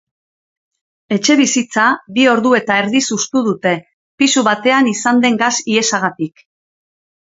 Etxebizitza bi ordu eta erdiz hustu dute, pisu batean izan den gas-ihesagatik.